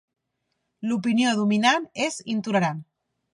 L'opinió dominant és intolerant.